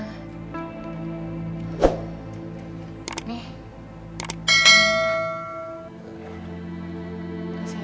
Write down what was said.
terima kasih rizky